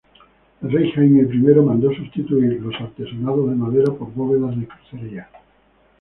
El rey Jaime I mandó sustituir los artesonados de madera por bóvedas de crucería.